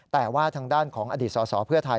แต่ว่าทางด้านของอดีตสอสอเพื่อไทย